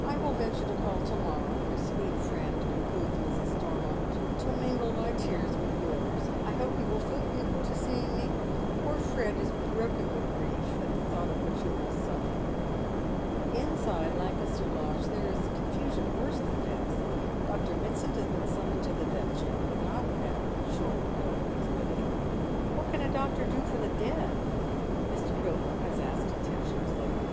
"I will venture to call to morrow, my sweet friend," concludes Mrs. Stormont " to mingle my tears with yours. I hope you will feel equal to seeing me. Poor Fred is broken down with grief at the thought of what you must suffer." Inside Lancaster Lodge there is confusion worse than death. Dr. Mitsand has been summoned to the death chamber, not at Joel Pilgrim's bidding. What can a doctor do for the dead ? Mr. Pilgrim has asked contemptuously.